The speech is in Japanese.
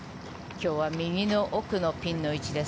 今日は右の奥のピンの位置です。